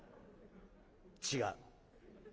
「違う。